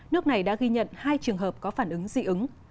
nước này đã ghi nhận hai trường hợp có phản ứng dị ứng